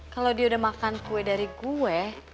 kalo dia udah makan kue dari gue